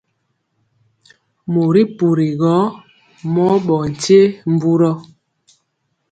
Mori puri gɔ mɔɔ ɓɔ nkye mburɔ.